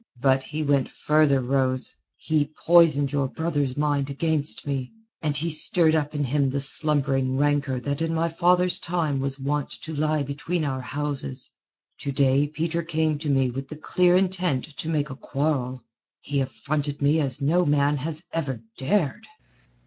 But he went further, Rose: he poisoned your brother's mind against me, and he stirred up in him the slumbering rancour that in my father's time was want to lie between our houses. To day Peter came to me with the clear intent to make a quarrel. He affronted me as no man has ever dared."